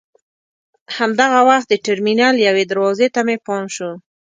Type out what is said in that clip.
همدغه وخت د ټرمینل یوې دروازې ته مې پام شو.